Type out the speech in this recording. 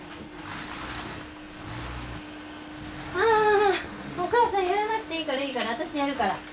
あお母さんやらなくていいからいいから私やるから。